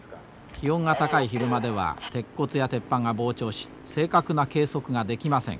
気温が高い昼間では鉄骨や鉄板が膨張し正確な計測ができません。